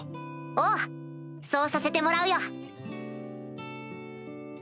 おうそうさせてもらうよ。